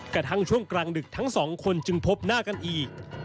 กระทั่งช่วงกลางดึกทั้งสองคนจึงพบหน้ากันอีก